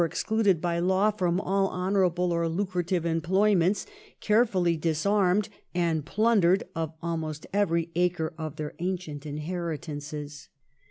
excluded by law from all honourable or lucrative employments ; carefully disarmed, and plundered of almost every acre of their ancient inheritances.'